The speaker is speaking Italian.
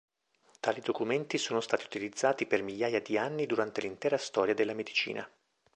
Tali documenti sono stati utilizzati per migliaia di anni durante l'intera storia della medicina.